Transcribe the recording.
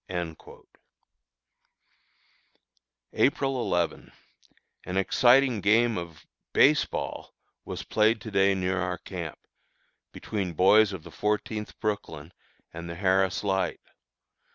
April 11. An exciting game of "base ball" was played to day near our camp, between boys of the Fourteenth Brooklyn and the Harris Light.